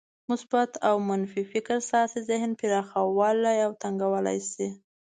مثبت او منفي فکر ستاسې ذهن پراخولای او تنګولای شي.